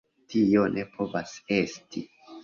Tio ne povas esti.